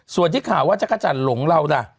ส่วนที่ข่าวว่าจักรจันทร์หลงเราล่ะ